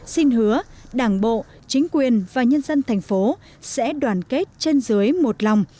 xin hứa đảng bộ chính quyền và nhân dân thành phố sẽ đoàn kết trên dưới một lòng